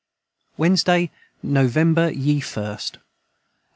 ] Wednesday November ye 1st.